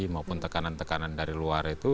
maupun tekanan tekanan dari luar itu